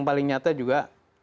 paling nyata juga